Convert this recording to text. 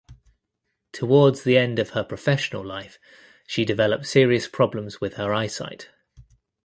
Towards the end of her professional life she developed serious problems with her eyesight.